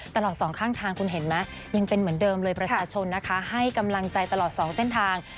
ตลอดสองข้างทางคุณเห็นไหมยังเป็นเหมือนเดิมเลยประชาชนนะคะให้กำลังใจตลอด๒เส้นทาง